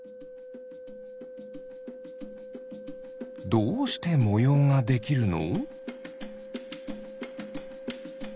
どうしてもようができるの？